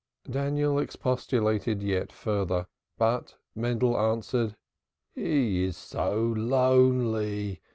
Daniel expostulated yet further, but Mendel answered: "He is so lonely.